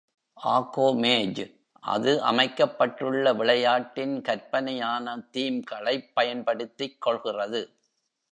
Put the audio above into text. "Arcomage" அது அமைக்கப்பட்டுள்ள விளையாட்டின் கற்பனையான தீம்களைப் பயன்படுத்திக்கொள்கிறது.